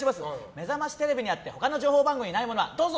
「めざましテレビ」にあって他の情報番組にないものどうぞ！